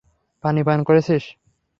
পানি পান করেছিস?